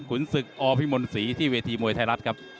ศึกอพิมลศรีที่เวทีมวยไทยรัฐครับ